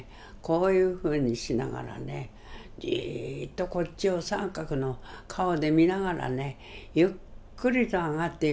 こういうふうにしながらねジーッとこっちを三角の顔で見ながらねゆっくりと上がっていくの。